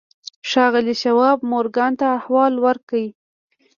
ښاغلي شواب مورګان ته احوال ورکړ.